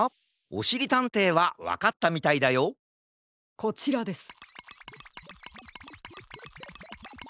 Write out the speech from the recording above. おしりたんていはわかったみたいだよこちらです。